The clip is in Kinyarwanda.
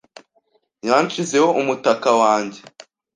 Yanshizeho umutaka wanjye .